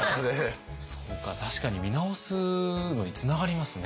確かに見直すのにつながりますね。